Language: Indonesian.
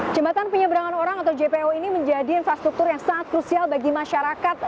jembatan penyeberangan orang atau jpo ini menjadi infrastruktur yang sangat krusial bagi masyarakat